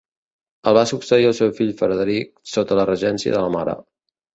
El va succeir el seu fill Frederic, sota la regència de la mare.